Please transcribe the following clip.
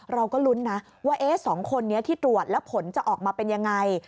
เราก็ลุ้นนะว่า๒คนนี้ที่ตรวจแล้วผลจะออกมาเป็นยังไง